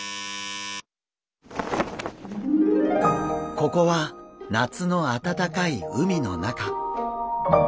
ここは夏のあたたかい海の中。